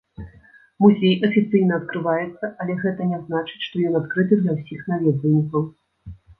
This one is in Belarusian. Музей афіцыйна адкрываецца, але гэта не значыць, што ён адкрыты для ўсіх наведвальнікаў.